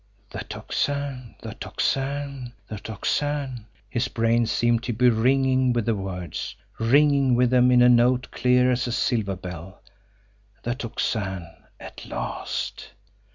"The Tocsin! The Tocsin! The Tocsin!" his brain seemed to be ringing with the words, ringing with them in a note clear as a silver bell. The Tocsin at last!